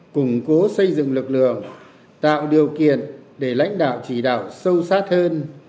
củng cố xây dựng lực lượng tạo điều kiện để lãnh đạo chỉ đạo sâu sát hơn